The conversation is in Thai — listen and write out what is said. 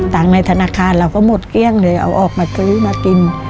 ในธนาคารเราก็หมดเกลี้ยงเลยเอาออกมาซื้อมากิน